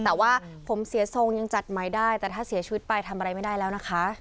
แต่ว่าผมเสียทรงยังจัดไหมได้แต่ถ้าเสียชีวิตไปทำอะไรไม่ได้แล้วนะคะ